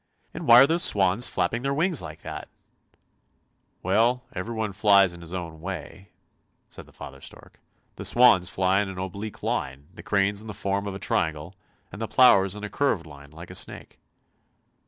And why are those swans flapping their wings like that ?''" Well, everyone flies in his own way," said the father stork. " The swans fly in an oblique line, the cranes in the form of a triangle, and the plovers in a curved line like a snake."